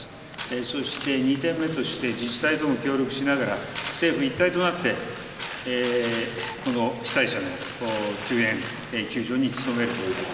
そして２点目として自治体とも協力しながら政府一体となってこの被災者の救援、救助に努めるということ。